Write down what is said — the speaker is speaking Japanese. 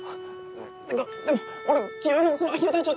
っていうかでも俺清居のそのアヒル隊長。